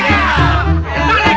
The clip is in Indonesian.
selamat malam tandang